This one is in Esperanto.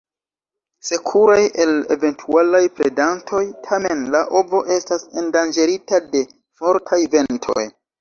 Sekuraj el eventualaj predantoj, tamen la ovo estas endanĝerita de fortaj ventoj.